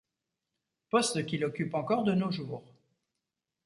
Poste qu'il occupe encore de nos jours.